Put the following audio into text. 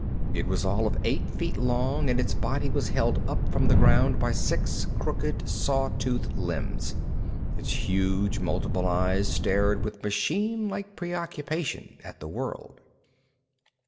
It was all of eight feet long, and its body was held up from the ground by six crooked, saw toothed limbs. Its huge multiple eyes stared with machinelike preoccupation at the world.